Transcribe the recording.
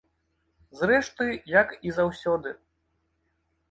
Зрэшты як і заўсёды.